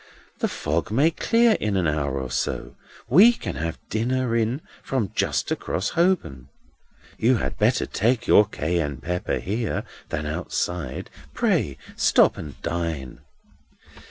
The fog may clear in an hour or two. We can have dinner in from just across Holborn. You had better take your Cayenne pepper here than outside; pray stop and dine."